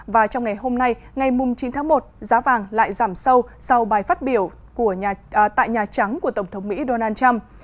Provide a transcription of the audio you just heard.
và trong ngày hôm nay ngày chín tháng một giá vàng lại giảm sâu sau bài phát biểu tại nhà trắng của tổng thống mỹ donald trump